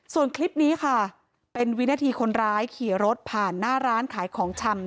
ส่วนคลิปนี้ค่ะเป็นวินาทีคนร้ายขี่รถผ่านหน้าร้านขายของชำ